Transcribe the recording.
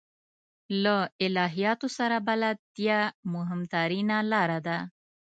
له الهیاتو سره بلدتیا مهمترینه لاره ده.